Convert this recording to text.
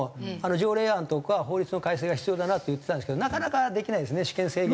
条例案とか法律の改正が必要だなって言ってたんですけどなかなかできないんですよね私権制限。